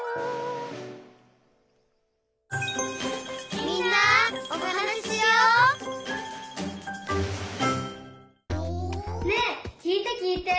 「みんなおはなししよう」ねえきいてきいて。